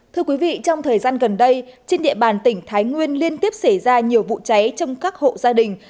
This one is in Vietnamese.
thưa quý vị trong thời gian gần đây trên địa bàn tỉnh thái nguyên liên tiếp xảy ra nhiều vụ cháy trong các hộ gia đình